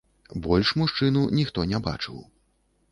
Больш мужчыну ніхто не бачыў.